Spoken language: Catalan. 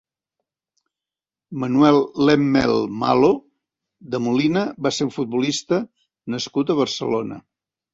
Manuel Lemmel Malo de Molina va ser un futbolista nascut a Barcelona.